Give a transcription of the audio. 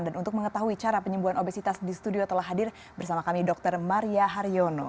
dan untuk mengetahui cara penyembuhan obesitas di studio telah hadir bersama kami dr maria haryono